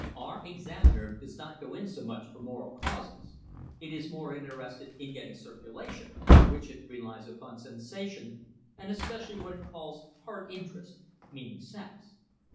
Our "Examiner" does not go in so much for moral causes; it is more interested in getting circulation, for which it relies upon sensation, and especially what it calls "heart interest," meaning sex.